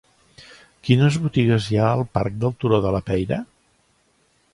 Quines botigues hi ha al parc del Turó de la Peira?